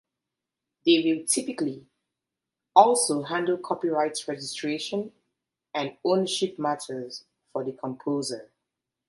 They will typically also handle copyright registration and "ownership" matters for the composer.